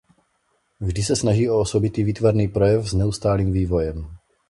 Vždy se snaží o osobitý výtvarný projev s neustálým vývojem.